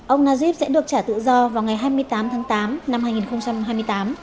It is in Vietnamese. ông najib sẽ được trả tự do vào ngày hai mươi tám tháng tám năm hai nghìn hai mươi tám